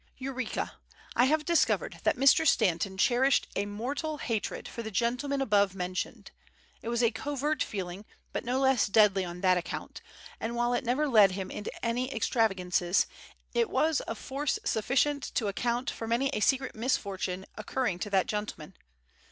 Eureka! I have discovered that Mr. Stanton cherished a mortal hatred for the gentleman above mentioned. It was a covert feeling, but no less deadly on that account; and while it never led him into any extravagances, it was of force sufficient to account for many a secret misfortune occurring to that gentleman.